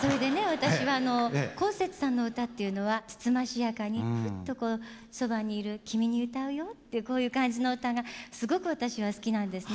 私はあのこうせつさんの歌っていうのはつつましやかにふっとこうそばにいる君に歌うよっていうこういう感じの歌がすごく私は好きなんですね。